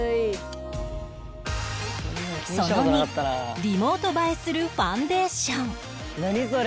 その２リモート映えするファンデーション